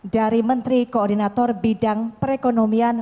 dari menteri koordinator bidang perekonomian